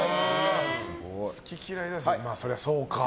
好き嫌いでは、そりゃそうか。